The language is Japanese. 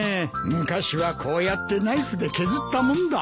昔はこうやってナイフで削ったもんだ。